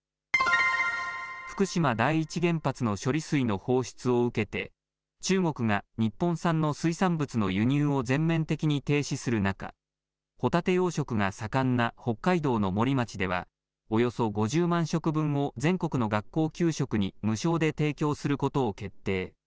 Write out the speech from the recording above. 福島第一原発の処理水の放出を受けて中国が日本産の水産物の輸入を全面的に停止する中ほたて養殖が盛んな北海道の森町ではおよそ５０万食分を全国の学校給食に無償で提供することを決定。